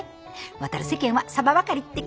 渡る世間はサバばかりってか。